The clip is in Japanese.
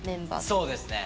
そうですね。